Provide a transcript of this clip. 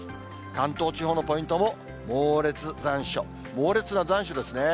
関東地方のポイントもモーレツ残暑、猛烈な残暑ですね。